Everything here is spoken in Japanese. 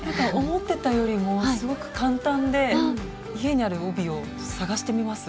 思ってたよりもすごく簡単で家にある帯を探してみます